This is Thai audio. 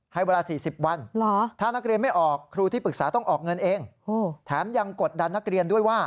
ให้เวลา๔๐วันถ้านักเรียนไม่ออกครูที่ปรึกษาต้องออกเงินเองแถมยังกดดันนักเรียนด้วยว่า